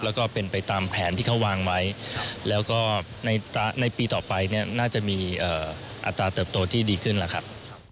แล้วก็เป็นไปตามแผนที่เขาวางไว้แล้วก็ในปีต่อไปเนี่ยน่าจะมีอัตราเติบโตที่ดีขึ้นแล้วครับ